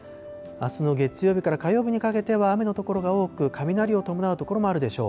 あすの月曜日から火曜日にかけては雨の所が多く、雷を伴う所もあるでしょう。